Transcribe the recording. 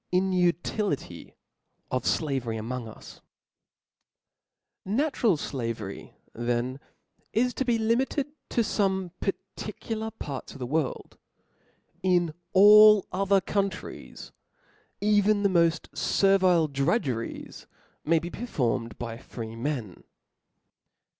ini4tility of Slavery atmng Us^ I^ATURAL flavcryi then, is to be limited »o^fc ■■^ to feme particular ^xts of the world. In chap.'j* all other countries even the moft fervile drudgeries may be performed by freemen.